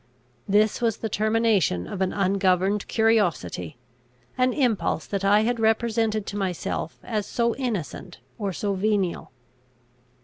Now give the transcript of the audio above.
This was the termination of an ungoverned curiosity, an impulse that I had represented to myself as so innocent or so venial.